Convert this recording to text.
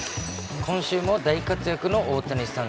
今週も大活躍の大谷さん。